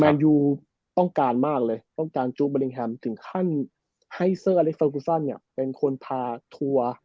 มันอยู่ต้องการมากเลยต้องการจุดติ่งขั้นให้เป็นคนพาทัวร์